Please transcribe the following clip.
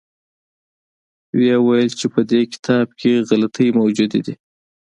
ویې ویل چې په دې کتاب کې غلطۍ موجودې دي.